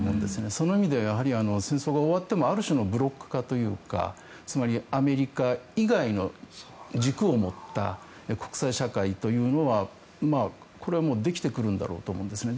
その意味ではやはり戦争が終わってもある種のブロック化というかつまりアメリカ以外の軸を持った国際社会というのはこれはもうできてくるんだろうと思うんですね。